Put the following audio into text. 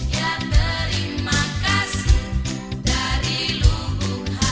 yang terima kasih bagi yesus tuhan